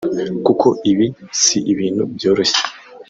kuko ibi si ibintu byoroshye